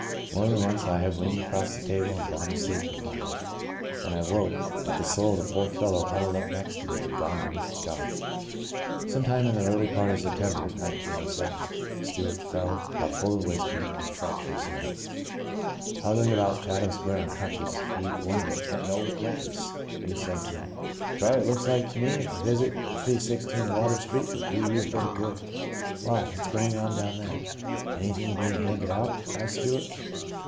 More than once have I leaned across the table and gone to sleep, to find, when I woke, that the soul of the poor fellow huddled up next to me had gone to meet its God !" Some time in the early part of September, 1907, Stewart fell, while full of whiskey, and fractured his leg. Hobbling about Chatham Square on crutches, he, one day, met an old acquaintance who said to him, " Charlie, it looks to me as if a visit to 316 Water Street would do you a bit o' good." " Why ?— what's going on down there ? Anything being handed out?" asked Stew art.